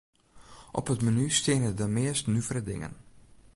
Op it menu steane de meast nuvere dingen.